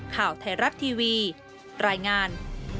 ข่าวไทยรัฐทีวีรายงาน